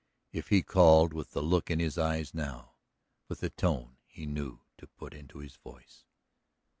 . if he called with the look in his eyes now, with the tone he knew to put into his voice.